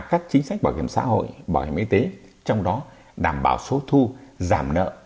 các chính sách bảo hiểm xã hội bảo hiểm y tế trong đó đảm bảo số thu giảm nợ